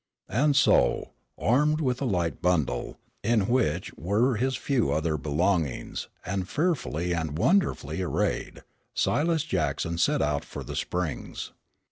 And so, armed with a light bundle, in which were his few other belongings, and fearfully and wonderfully arrayed, Silas Jackson set out for the Springs.